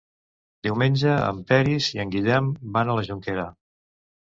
Diumenge en Peris i en Guillem van a la Jonquera.